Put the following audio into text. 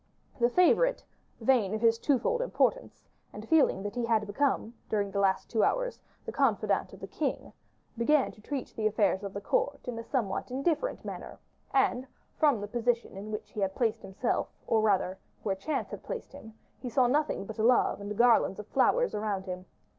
The favorite, vain of his twofold importance, and feeling that he had become, during the last two hours, the confidant of the king, began to treat the affairs of the court in a somewhat indifferent manner: and, from the position in which he had placed himself, or rather, where chance had placed him, he saw nothing but love and garlands of flowers around him.